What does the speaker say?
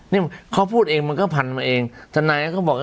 นี่เขาพูดเองมันก็พันมาเองทนายก็บอก